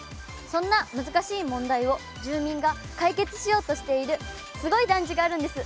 そんな難しい問題を住民が解決しようとしているすごい団地があるんです。